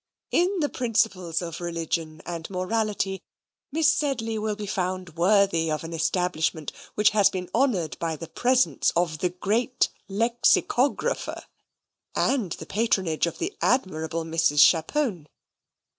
In the principles of religion and morality, Miss Sedley will be found worthy of an establishment which has been honoured by the presence of THE GREAT LEXICOGRAPHER, and the patronage of the admirable Mrs. Chapone.